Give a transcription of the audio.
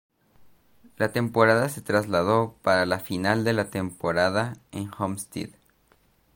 La temporada se trasladó para la final de la temporada en Homestead.